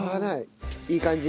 いい感じ。